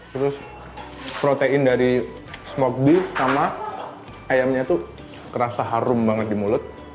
terus protein dari smoked beef sama ayamnya itu kerasa harum banget di mulut